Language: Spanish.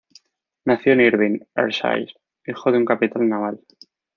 Nació en Irvine, Ayrshire, hijo de un capitán naval.